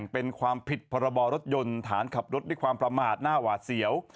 เป็นความผิดพรบรถยนต์ฐานขับรถด้วยความประมาทหน้าหวาดเสียว